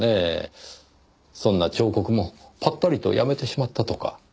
そんな彫刻もぱったりとやめてしまったとか。